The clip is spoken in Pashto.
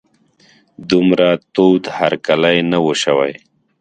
دومره تود هرکلی نه و شوی.